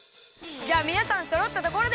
じゃあみなさんそろったところで！